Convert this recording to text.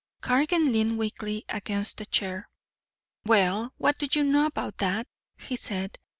Cargan leaned weakly against a chair. "Well, what do you know about that," he said.